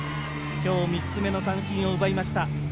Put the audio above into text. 今日３つ目の三振を奪いました。